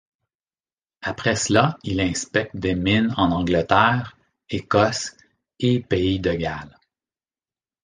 Après cela il inspecte des mines en Angleterre, Écosse et Pays de Galles.